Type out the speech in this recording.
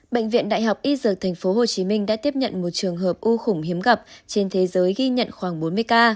bệnh viện đại học y dược tp hcm đã tiếp nhận một trường hợp u khủng hiếm gặp trên thế giới ghi nhận khoảng bốn mươi ca